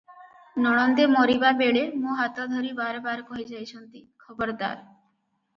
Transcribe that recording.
ନଣନ୍ଦେ ମରିବା ବେଳେ ମୋ ହାତ ଧରି ବାର ବାର କହି ଯାଇଛନ୍ତି, 'ଖବାରଦାର!